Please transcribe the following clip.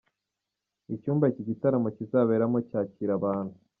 Icyumba iki gitaramo kizaberamo cyakira abantu.